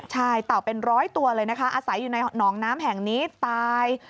ใช่เต่าเป็นร้อยตัวเลยนะคะอาศัยอยู่ในหนองน้ำแห่งนี้ตาย